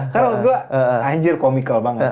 karena menurut gue anjir komikal banget